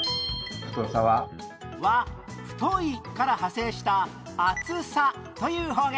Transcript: は「太い」から派生した「厚さ」という方言